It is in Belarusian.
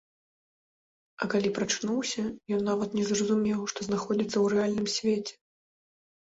А калі прачнуўся, ён нават не зразумеў, што знаходзіцца ў рэальным свеце.